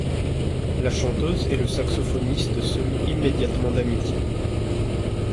La chanteuse et le saxophoniste se lient immédiatement d'amitié.